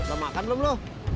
enggak makan belum lu